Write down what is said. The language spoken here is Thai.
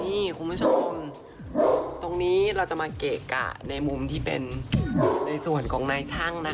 นี่คุณผู้ชมตรงนี้เราจะมาเกะกะในมุมที่เป็นในส่วนของนายช่างนะคะ